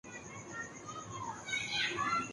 ذرامیری cycle پکڑنا